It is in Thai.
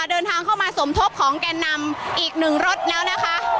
เดินทางเข้ามาสมทบของแก่นำอีกหนึ่งรถแล้วนะคะ